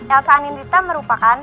elsa anindita merupakan